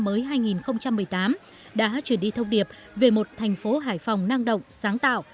mới hai nghìn một mươi tám đã truyền đi thông điệp về một thành phố hải phòng năng động sáng tạo